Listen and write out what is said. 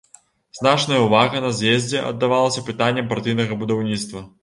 Значная ўвага на з'ездзе аддавалася пытанням партыйнага будаўніцтва.